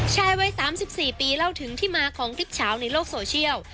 ชายวัย๓๔ปีเล่าถึงที่มาของคลิปเฉาในโลกโซเชียล